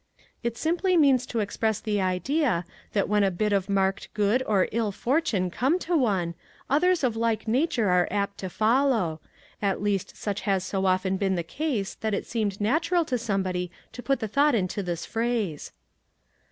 " It simply means to express the idea that when a bit of marked good or ill fortune come to one, others of like nature are apt to follow ; at least such has so often been the case that it seemed natural to somebody to put the thought into this phrase."